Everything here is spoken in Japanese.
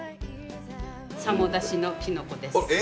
さもだしのきのこです。え？